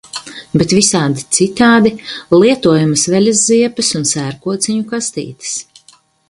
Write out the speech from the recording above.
Bet visādi citādi lietojamas veļas ziepes un sērkociņu kastītes.